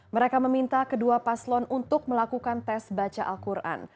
mereka meminta kedua paslon untuk melakukan tes baca al quran